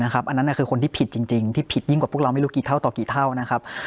อันนั้นคือคนที่ผิดจริงที่ผิดยิ่งกว่าพวกเราไม่รู้กี่เท่าต่อกี่เท่านะครับ